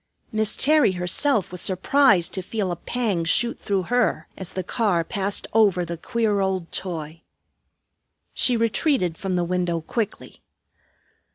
Miss Terry herself was surprised to feel a pang shoot through her as the car passed over the queer old toy. She retreated from the window quickly.